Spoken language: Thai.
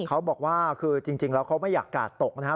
เขาบอกว่าคือจริงแล้วเขาไม่อยากกาดตกนะครับ